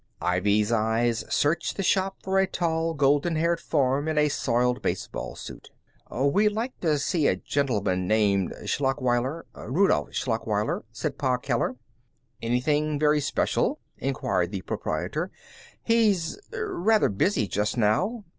Ivy's eyes searched the shop for a tall, golden haired form in a soiled baseball suit. "We'd like to see a gentleman named Schlachweiler Rudolph Schlachweiler," said Pa Keller. "Anything very special?" inquired the proprietor. "He's rather busy just now.